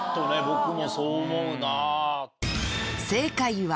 僕もそう思うな。